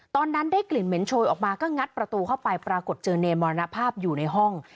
ตอนนั้นได้กลิ่นเหม็นโชยออกมาก็งัดประตูเข้าไปปรากฏเจอเนรมรณภาพอยู่ในห้อง